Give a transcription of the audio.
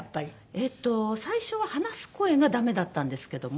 えっと最初は話す声がダメだったんですけども。